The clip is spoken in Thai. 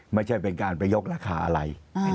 ไม่ใช่เป็นการไปยกราคาอะไร